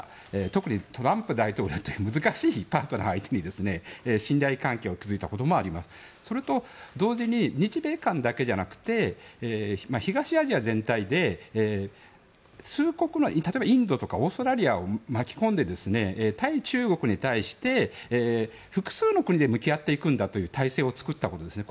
特にトランプ大統領という難しいパートナーを相手に信頼関係を築いたこともあればそれと同時に日米間だけじゃなくて東アジア全体で、数国の例えばインドとかオーストラリアを巻き込んで巻き込んで対中国に対して複数の国と向き合っていくんだという体制を作ったんですね。